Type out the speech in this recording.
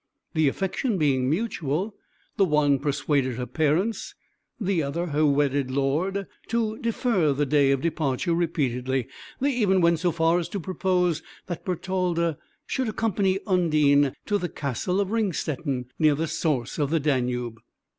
The affection being mutual, the one persuaded her parents, the other her wedded lord, to defer the day of departure repeatedly; they even went so far as to propose that Bertalda should accompany Undine to the castle of Ringstetten, near the source of the Danube.